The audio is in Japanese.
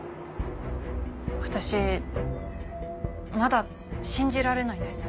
私まだ信じられないんです。